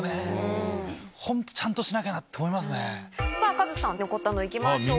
カズさん残ったのいきましょう。